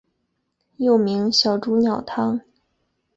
又名小朱鸟汤。